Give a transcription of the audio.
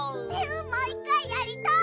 もう１かいやりたい。